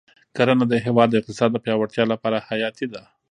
کرنه د هېواد د اقتصاد د پیاوړتیا لپاره حیاتي ده.